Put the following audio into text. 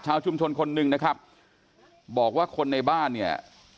ชุมชนคนหนึ่งนะครับบอกว่าคนในบ้านเนี่ย